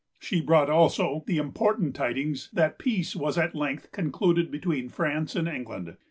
She brought, also, the important tidings that peace was at length concluded between France and England.